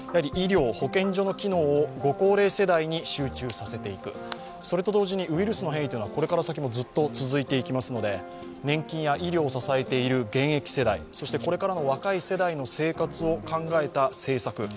医療、保健所の機能を、ご高齢世代に集中させていくそれと同時にウイルスの変異はこれから先もずっと続いていきますので年金や医療を支えている現役世代、これからの若い世代の生活を考えた政策